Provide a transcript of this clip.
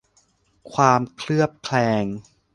ความเคลือบแคลง